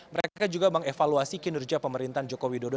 mereka juga mengevaluasi kinerja pemerintahan joko widodo